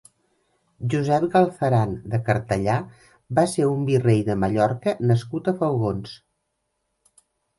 Josep Galceran de Cartellà va ser un virrei de Mallorca nascut a Falgons.